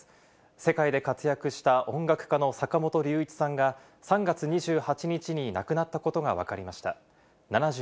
世界で活躍した音楽家の坂本龍一さんが３月２８日に亡くなったことがわかりました。